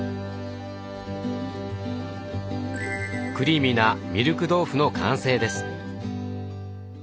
クリーミーなミルク豆腐の完成です。